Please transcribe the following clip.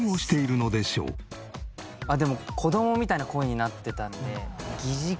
でも子供みたいな声になってたので。